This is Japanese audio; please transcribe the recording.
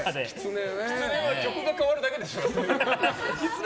きつねは曲が変わるだけでしょ。